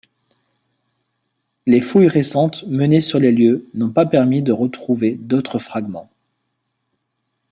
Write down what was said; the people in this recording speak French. Les fouilles récentes menées sur les lieux n'ont pas permis de retrouver d'autres fragments.